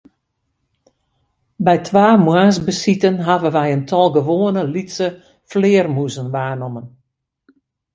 By twa moarnsbesiten hawwe wy in tal gewoane lytse flearmûzen waarnommen.